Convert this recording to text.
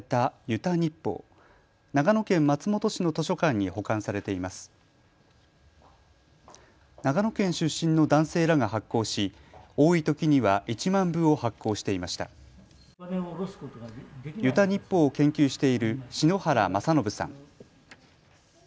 ユタ日報を研究している篠原正信さん。